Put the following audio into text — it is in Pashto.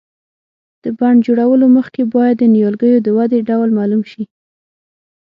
د بڼ جوړولو مخکې باید د نیالګیو د ودې ډول معلوم شي.